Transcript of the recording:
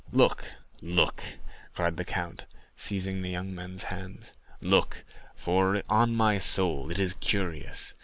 "Look, look," cried the count, seizing the young men's hands; "look, for on my soul it is curious.